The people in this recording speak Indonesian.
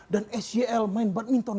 dan sgl main badminton